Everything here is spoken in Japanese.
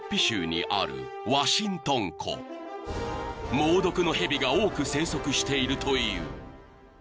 ［猛毒の蛇が多く生息しているという］